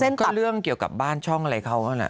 เส้นตัดเรื่องเกี่ยวกับบ้านช่องอะไรเขาก็แหละ